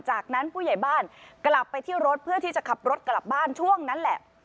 จากนั้นผู้ใหญ่บ้านกลับไปที่รถเพื่อที่จะขับรถกลับบ้านช่วงนั้นแหละ